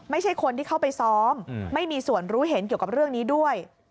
ไม่ใช่คนที่เข้าไปซ้อมไม่มีส่วนรู้เห็นเกี่ยวกับเรื่องนี้ด้วย